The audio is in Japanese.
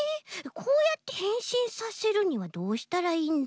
こうやってへんしんさせるにはどうしたらいいんだ？